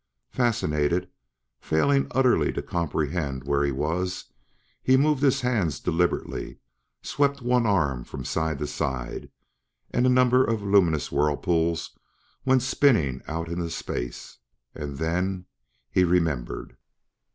Fascinated, failing utterly to comprehend where he was, he moved his hands deliberately, swept one arm from side to side and a number of luminous whirlpools went spinning out into space. And then he remembered.